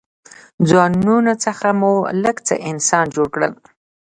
ځانونو څخه مو لږ څه انسانان جوړ کړل.